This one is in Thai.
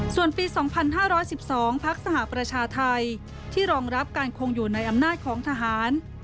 ส่วนปี๒๕๑๒พักสหประชาไทยที่รองรับการคงอยู่ในอำนาจของทหาร